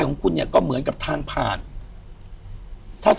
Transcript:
อยู่ที่แม่ศรีวิรัยิลครับ